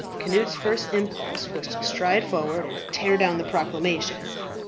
Cnut's first impulse was to stride forward and to tear down the proclamation.